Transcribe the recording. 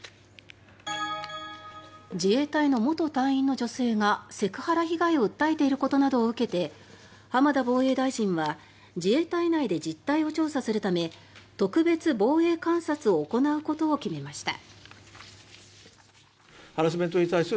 自衛隊の元隊員の女性がセクハラ被害を訴えていることなどを受けて浜田防衛大臣は自衛隊内で実態を調査するため「特別防衛監察」を行うことを決めました。